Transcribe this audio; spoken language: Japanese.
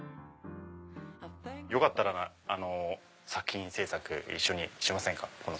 よかったら作品制作一緒にしませんか？